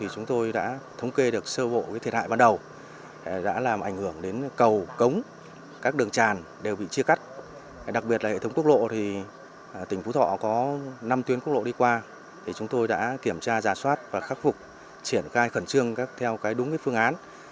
chúng tôi đã kiểm tra giả soát và khắc phục triển khai khẩn trương theo đúng phương án